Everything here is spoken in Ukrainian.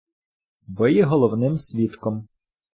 Ви є головним свідком.